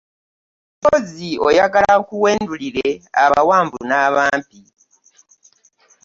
Mpozzi oyagala nkuwendulire abawanvu n'abampi.